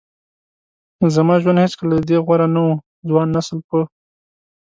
زما ژوند هیڅکله له دې غوره نه و. ځوان نسل په